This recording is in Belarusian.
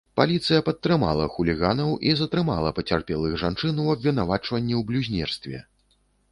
Паліцыя падтрымала хуліганаў і затрымала пацярпелых жанчын у абвінавачванні ў блюзнерстве.